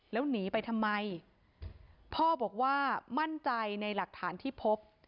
แล้วหนีไปทำไมพ่อบอกว่ามั่นใจในหลักฐานที่พบ